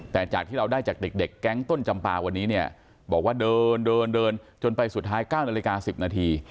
แต่จากที่เราได้จากเด็กแก๊งต้นจำปาวันนี้เนี่ยบอกว่าเดินเดินเดินจนไปสุดท้าย๙นาฬิกา๑๐นาที